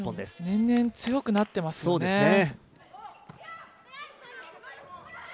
年々強くなっていますよね。